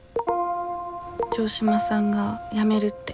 城島さんが辞めるって。